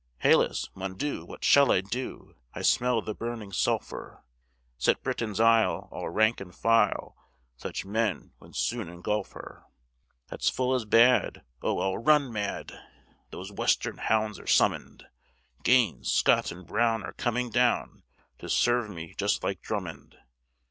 Hélas! mon Dieu! what shall I do? I smell the burning sulphur Set Britain's isle all rank and file, Such men would soon engulf her. "That's full as bad Oh! I'll run mad! Those western hounds are summon'd; Gaines, Scott, and Brown are coming down, To serve me just like Drummond.